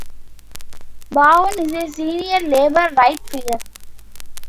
Bowen is a senior Labor Right figure.